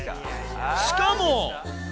しかも。